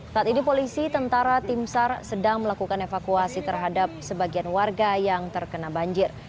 saat ini polisi tentara tim sar sedang melakukan evakuasi terhadap sebagian warga yang terkena banjir